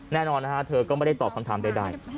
แน่นอนนะฮะเธอก็ไม่ได้ตอบคำถามใด